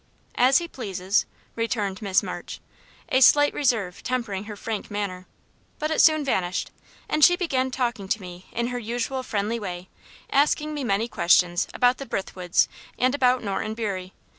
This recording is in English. "As he pleases," returned Miss March, a slight reserve tempering her frank manner; but it soon vanished, and she began talking to me in her usual friendly way, asking me many questions about the Brithwoods and about Norton Bury.